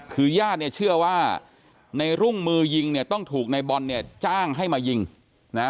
คือญาติเนี่ยเชื่อว่าในรุ่งมือยิงเนี่ยต้องถูกในบอลเนี่ยจ้างให้มายิงนะฮะ